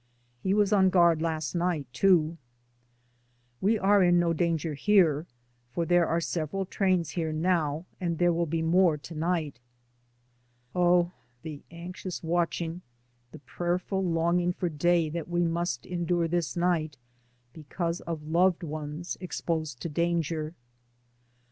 He was on guard last night, too. We are in no danger here, for there are several trains here now and there will be more to night. Oh, the anxious watching, the prayerful longing for day that we must endure this night, because of loved ones ex posed to danger.